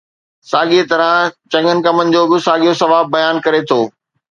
ساڳيءَ طرح چڱن ڪمن جو به ساڳيو ثواب بيان ڪري ٿو.